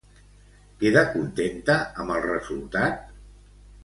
Queda contenta amb el resultat?